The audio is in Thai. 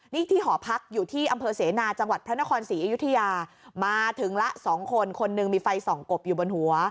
นี่ที่หอพักอยู่ที่อำเภอเสนาจังหวัดพระนครศรีอยุธยามาถึงละสองคนคนหนึ่งมีไฟส่องกบอยู่บนหัว